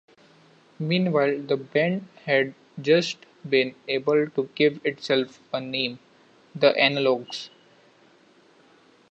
Meanwhile, the band had just been able to give itself a name: The Analogs.